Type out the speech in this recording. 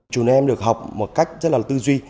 chúng em được học một cách rất là tư duy